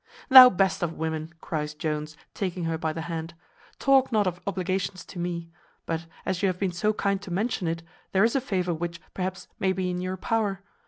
"Thou best of women," cries Jones, taking her by the hand, "talk not of obligations to me; but as you have been so kind to mention it, there is a favour which, perhaps, may be in your power.